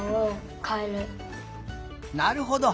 なるほど！